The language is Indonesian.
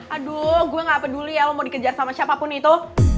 aduh gue gak peduli ya lo mau dikejar sama siapapun itu